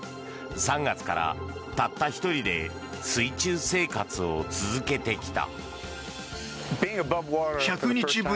３月からたった１人で水中生活を続けてきた。